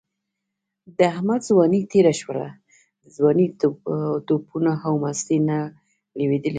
د احمد ځواني تېره شوله، د ځوانۍ له ټوپونو او مستۍ نه لوېدلی دی.